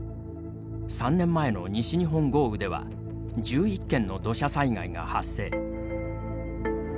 ３年前の西日本豪雨では１１件の土砂災害が発生。